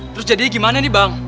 terus jadinya gimana nih bang